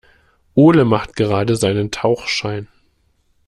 Ole macht gerade seinen Tauchschein.